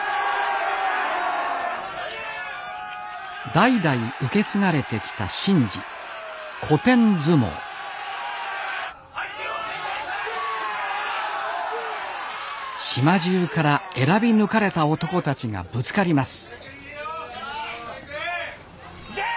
代々受け継がれてきた神事「古典相撲」島中から選び抜かれた男たちがぶつかります